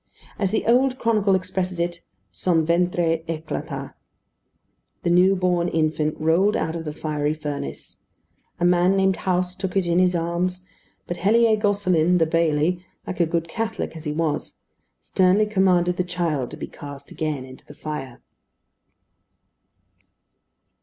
As the old chronicle expresses it, "Son ventre éclata." The new born infant rolled out of the fiery furnace. A man named House took it in his arms; but Helier Gosselin the bailli, like a good Catholic as he was, sternly commanded the child to be cast again into the fire.